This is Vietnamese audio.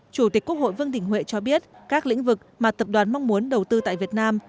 chủ tịch quốc hội vương đình huệ cho biết các lĩnh vực mà tập đoàn mong muốn đầu tư tại việt nam